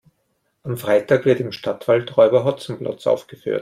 Am Freitag wird im Stadtwald Räuber Hotzenplotz aufgeführt.